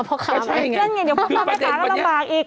ใช่ไงเดี๋ยวพ่อขาวไปขาวแล้วลำบากอีกคุณพ่อขาวไหม